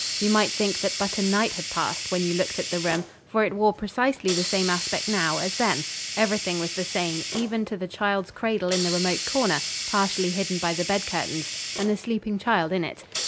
You might think that but a night had passed, when you looked at the room, for it wore precisely the same aspect now, as then; everything was the same, even to the child's cradle in the remote corner, partially hidden by the bed curtains, and the sleeping child in it.